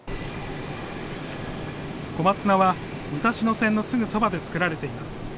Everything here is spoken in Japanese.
小松菜は武蔵野線のすぐそばで作られています。